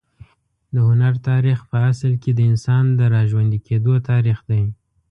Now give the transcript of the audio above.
د هنر تاریخ په اصل کې د انسان د راژوندي کېدو تاریخ دی.